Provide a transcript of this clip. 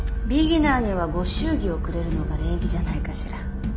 ビギナーにはご祝儀をくれるのが礼儀じゃないかしら？